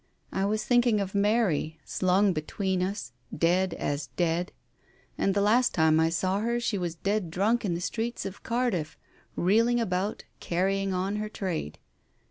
I was thinking of Mary, slung between us, dead as dead. And the last time I saw her she was dead drunk in the streets of Cardiff, reeling about, carrying on her trade.